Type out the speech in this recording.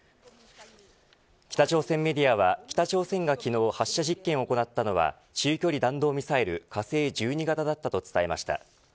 北朝鮮メディアは北朝鮮が昨日発射実験を行ったのは中距離弾道ミサイル火星１２型だったと伝えました。